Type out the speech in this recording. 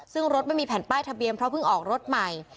ซึ่งรถไม่มีแผ่นป้ายทะเบียนเพราะเพิ่งออกรถใหม่